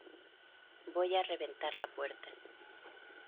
voy a reventar la puerta.